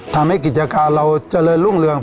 ทำให้กิจการเราเจริญรุ่งเรือง